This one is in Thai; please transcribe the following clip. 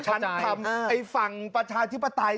ฉันทำไอ้ฝั่งประชาธิปไตย